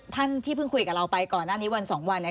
ท่านที่เพิ่งคุยกับเราไปก่อนหน้านี้วันสองวันเนี่ย